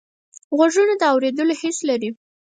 غوږونه د اوریدلو حس لري